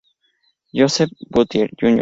Joseph G. Butler Jr.